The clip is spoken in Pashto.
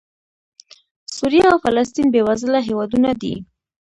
سوریه او فلسطین بېوزله هېوادونه دي.